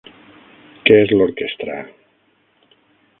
Què és l'orquestra?